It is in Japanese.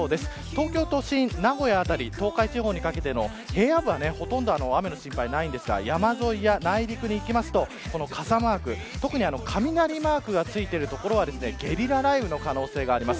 東京都心、名古屋辺り東海地方にかけての平野部はほとんど雨の心配はないんですが山沿いや内陸に行くと、傘マーク特に雷マークが付いている所はゲリラ雷雨の可能性があります。